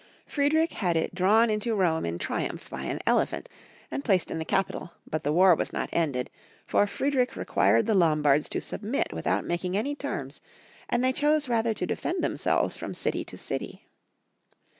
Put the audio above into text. Friedrich had it drawn into 178 Young Folks^ Mutory of Germany. Rome in triumph by an elephant, and placed in the Capitol ; but the war was not ended, for Friedrich required the Lombards to submit without making any terms, and they chose rather to defend them selves from city to city.